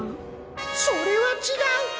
それは違う！